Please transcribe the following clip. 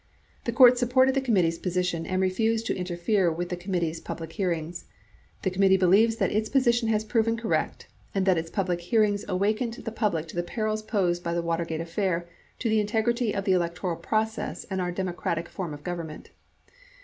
The court supported the committee's position and refused to inter fere with the committee's public hearings. The committee believes that its position has proven correct and that its public hearings awakened the public to the perils posed by the Watergate affair to the integrity of the electoral process and our democratic form of government.